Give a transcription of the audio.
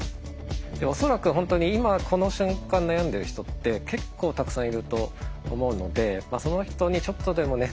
恐らく本当に今この瞬間悩んでる人って結構たくさんいると思うのでその人にちょっとでもね